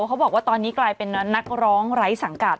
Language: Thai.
เขาบอกว่าตอนนี้กลายเป็นนักร้องไร้สังกัด